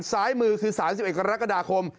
ซ้ายมือ๓๑คร